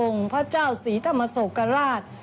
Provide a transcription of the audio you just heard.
พระเจ้าศรีธรรมโศกราช